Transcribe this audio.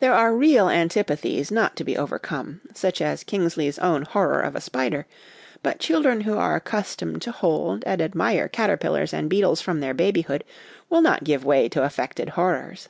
There are real antipathies not to be overcome, such as Kingsley's own horror of a spider ; but children who are accustomed to hold and admire caterpillars and beetles from their babyhood will not give way to affected horrors.